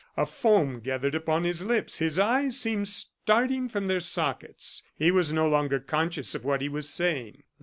A foam gathered upon his lips, his eyes seemed starting from their sockets; he was no longer conscious of what he was saying.